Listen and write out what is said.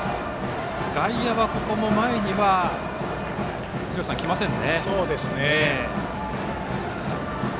外野は、ここも前には来ません。